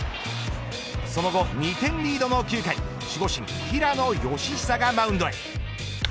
その後、２点リードの９回守護神、平野佳寿がマウンドへ。